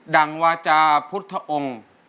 ั่งวาจาพุทธองค์